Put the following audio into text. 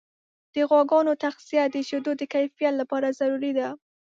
د غواګانو تغذیه د شیدو د کیفیت لپاره ضروري ده.